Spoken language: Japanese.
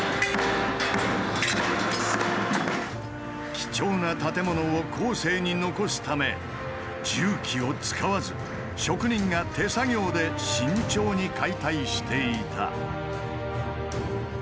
貴重な建物を後世に残すため重機を使わず職人が手作業で慎重に解体していた。